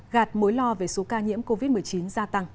gạt mối lo về số ca nhiễm covid một mươi chín gia tăng